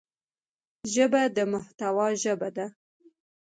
ژبه د محتوا ژبه ده